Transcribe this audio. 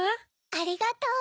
ありがとう。